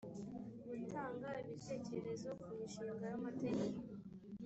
gutanga ibitekerezo ku mishinga y amategeko